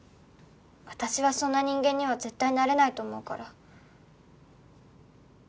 「私はそんな人間には絶対なれないと思うから」